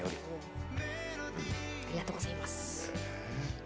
ありがとうございます。